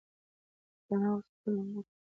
ثنا اوس خپل نوم نه کاروي.